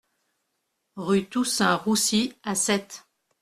Rue Toussaint Roussy à Sète